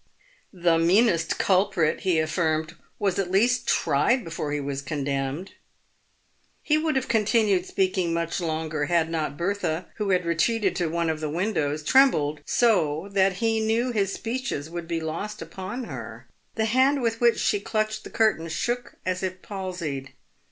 " The meanest culprit," he affirmed, " was at least tried before he was condemned." He would have con tinued speaking much longer, had not Bertha, who had retreated to one of the windows, trembled so that he knew his speeches would be lost upon her. The hand with which she clutched the curtain shook as if palsied.